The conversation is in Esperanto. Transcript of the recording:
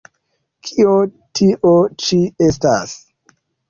Kio tio ĉi estas?